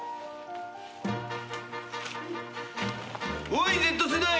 おいＺ世代。